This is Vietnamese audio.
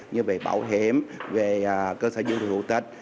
như về bảo hiểm về cơ sở dự liệu thủ tịch